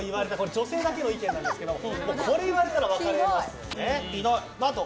女性だけの意見なんですがこれを言われたら別れますと。